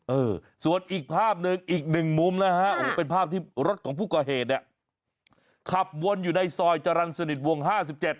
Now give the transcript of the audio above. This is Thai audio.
อื้อส่วนอีกภาพหนึ่งอีกหนึ่งมุมนะคะเป็นภาพที่รถของผู้ก่อเหตุขับวนอยู่ในซอยจรรสนิทวงศ์๕๗